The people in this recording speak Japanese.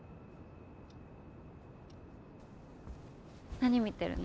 何見てるの？